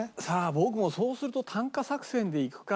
僕もそうすると単価作戦でいくか。